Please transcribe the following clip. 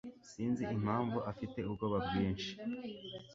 Sinzi impamvu afite ubwoba bwinshi.